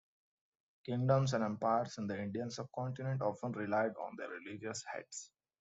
Kingdoms and empires in the Indian sub-continent often relied on their religious heads.